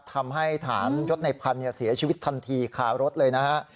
ทำให้ฐานยศในพันธุ์เสียชีวิตทันทีคารถเลยนะฮะ